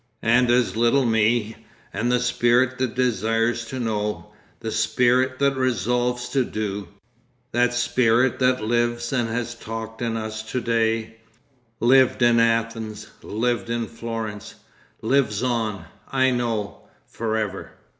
And as little me. And the spirit that desires to know, the spirit that resolves to do, that spirit that lives and has talked in us to day, lived in Athens, lived in Florence, lives on, I know, for ever....